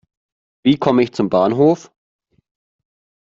Wie komme ich zum Bahnhof?